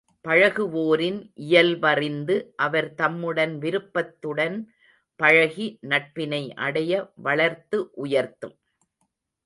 பழகுவோரின் இயல்பறிந்து அவர் தம்முடன் விருப்பத்துடன் பழகி நட்பினை அடைய வளர்த்து உயர்த்தும்.